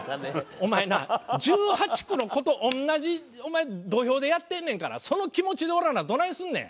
お前な１８１９の子と同じお前土俵でやってんねんからその気持ちでおらなどないすんねん。